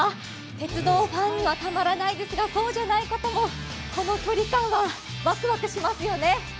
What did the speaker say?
鉄道ファンにはたまらないですが、そうじゃない方もこの距離感はワクワクしますよね。